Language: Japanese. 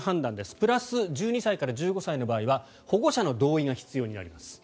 プラス１２歳から１５歳の場合は保護者の同意が必要になります。